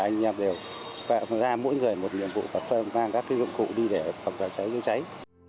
anh em đều ra mỗi người một nhiệm vụ và mang các thứ dụng cụ đi để phòng cháy chế cháy